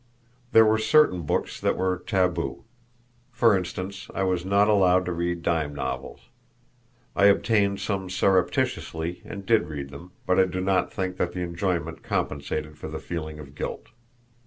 There were certain books that were taboo. For instance, I was not allowed to read dime novels. I obtained some surreptitiously and did read them, but I do not think that the enjoyment compensated for the feeling of guilt.